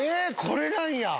これなんや！